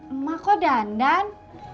emak kok dandan